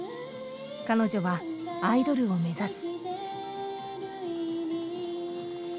彼女はアイドルを目指す。